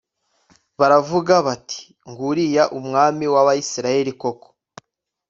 baravuga bati “Nguriya umwami w’Abisirayeli koko”